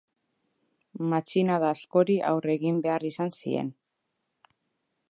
Matxinada askori aurre egin behar izan zien.